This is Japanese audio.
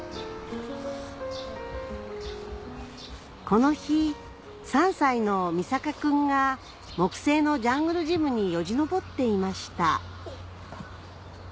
この日が木製のジャングルジムによじ上っていました